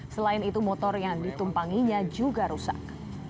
selain itu motor yang ditumpanginya juga rusak